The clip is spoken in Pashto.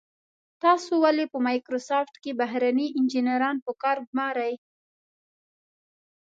تاسو ولې په مایکروسافټ کې بهرني انجنیران په کار ګمارئ.